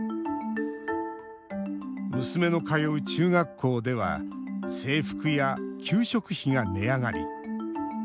娘の通う中学校では制服や給食費が値上がり。